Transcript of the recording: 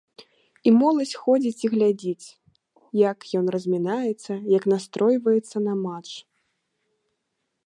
І моладзь ходзіць і глядзіць, як ён размінаецца, як настройваецца на матч.